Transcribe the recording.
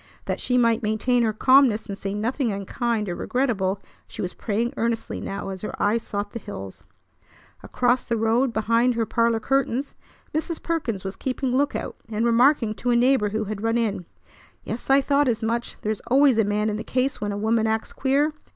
That she might maintain her calmness and say nothing unkind or regrettable she was praying earnestly now as her eyes sought the hills. Across the road behind her parlor curtains Mrs. Perkins was keeping lookout, and remarking to a neighbor who had run in: "Yes, I thought as much. There's always a man in the case when a woman acts queer!